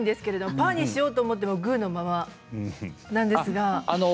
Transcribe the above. パーにしようと思ってもグーのままなんですが。